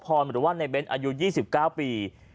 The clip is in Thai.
หรือว่านายเบ้นท์อายุ๒๙ปี